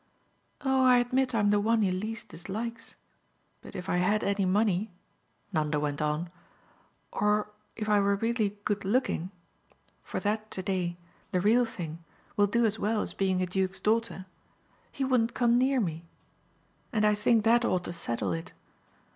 "Oh I admit I'm the one he least dislikes. But if I had any money," Nanda went on, "or if I were really good looking for that to day, the real thing, will do as well as being a duke's daughter he wouldn't come near me. And I think that ought to settle it.